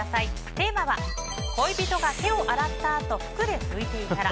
テーマは、恋人が手を洗った後服で拭いていたら。